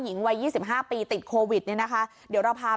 หญิงวัย๒๕ปีติดโควิดเนี่ยนะคะ